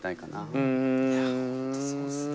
いや本当そうですね。